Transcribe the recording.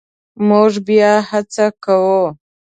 مونږ بیا هڅه کوو